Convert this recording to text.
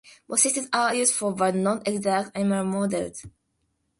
Both systems are useful, but not exact, animal models.